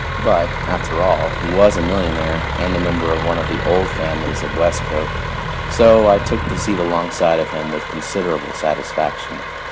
But, after all, he was a millionaire and a member of one of the "old families" of Westcote, so I took the seat alongside of him with considerable satisfaction.